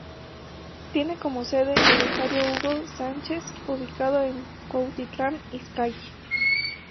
Tiene como sede el Estadio Hugo Sánchez ubicado en Cuautitlán Izcalli.